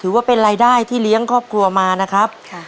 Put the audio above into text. ถือว่าเป็นรายได้ที่เลี้ยงครอบครัวมานะครับ